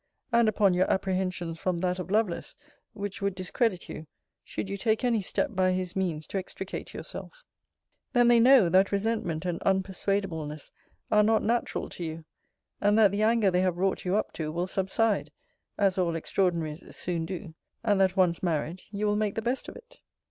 ] and upon your apprehensions from that of Lovelace, which would discredit you, should you take any step by his means to extricate yourself. Then they know, that resentment and unpersuadableness are not natural to you; and that the anger they have wrought you up to, will subside, as all extraordinaries soon do; and that once married, you will make the best of it.